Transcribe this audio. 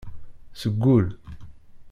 Seg ul.